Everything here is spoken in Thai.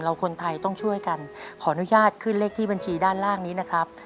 คนไทยต้องช่วยกันขออนุญาตขึ้นเลขที่บัญชีด้านล่างนี้นะครับ